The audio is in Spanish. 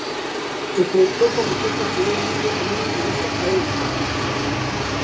El productor comentó posteriormente en una entrevista a E!